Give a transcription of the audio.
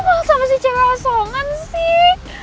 gue malah sama si cewek asongan sih